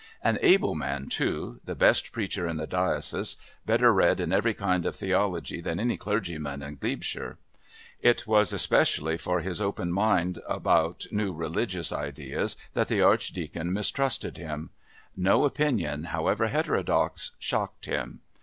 An able man too, the best preacher in the diocese, better read in every kind of theology than any clergyman in Glebeshire. It was especially for his open mind about new religious ideas that the Archdeacon mistrusted him. No opinion, however heterodox, shocked him.